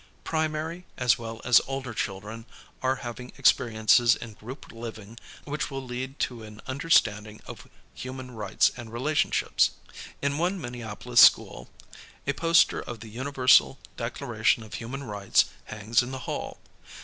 Primary, as well as older children, are having experiences in group* living which will lead to an understanding of human rights and relationships. In one Minneapolis school, a poster of the Universal Declaration of Human Rights hangs in the hall.